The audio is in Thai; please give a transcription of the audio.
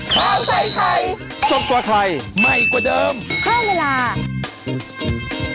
โปรดติดตามตอนต่อไป